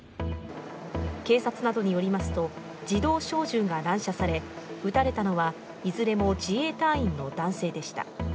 警察などによりますと、自動小銃が乱射され、撃たれたのはいずれも自衛隊員の男性でした。